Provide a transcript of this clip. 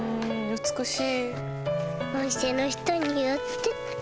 美しい。